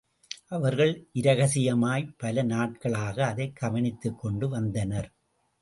அவர்கள் இரகசியமாய்ப் பல நாட்களாக அதைக் கவனித்துக் கொண்டு வந்தனர்.